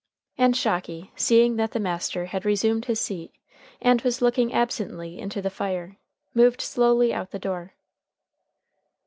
And Shocky, seeing that the master had resumed his seat and was looking absently into the fire, moved slowly out the door.